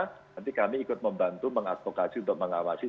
nanti kami ikut membantu mengadvokasi untuk mengawasi